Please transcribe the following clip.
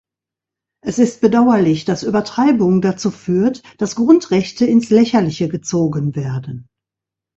Es ist bedauerlich, dass Übertreibung dazu führt, dass Grundrechte ins Lächerliche gezogen werden.